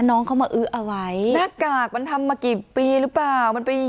น้องเขามาอื้อเอาไว้หน้ากากมันทำมากี่ปีหรือเปล่ามันไป